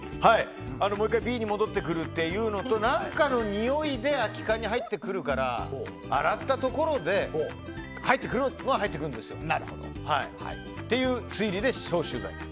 もう１回Ｂに戻ってくるというのと何かのにおいで空き缶に入ってくるから洗ったところで入ってくるのは入ってくるんですよという推理で消臭剤。